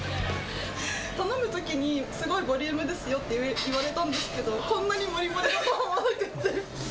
頼むときに、すごいボリュームですよって言われたんですけど、こんなにもりもりだとは思わなくて。